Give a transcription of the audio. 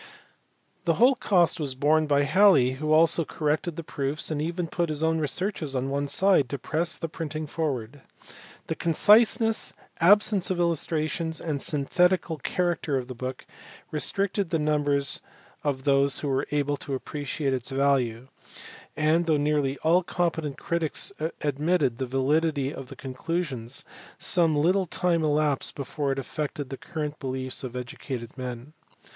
The whole cost was borne by Halley who also corrected the proofs and even put his own researches on one side to press the printing forward. The conciseness, absence of illustrations, and synthetical character of the book restricted the numbers of those who were able to appreciate its value ; and, though nearly all competent critics admitted the validity of the conclusions, some little time elapsed before it affected the current beliefs of educated men.